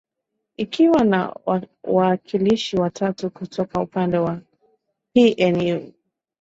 ikiwa na waakilishi watatu kutoka upande wa pnu